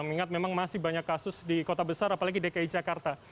mengingat memang masih banyak kasus di kota besar apalagi dki jakarta